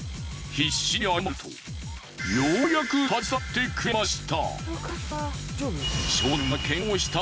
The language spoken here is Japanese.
必死に謝るとようやく立ち去ってくれました。